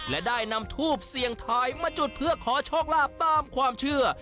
และได้นำทูบเสี่ยงทายมาจุดเพื่อขอโชคลาภตามความเชื่อ